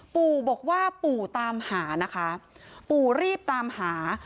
ปู่บอกว่าปู่ตามหานะคะปู่รีบตามหา